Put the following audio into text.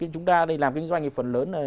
chúng ta làm kinh doanh thì phần lớn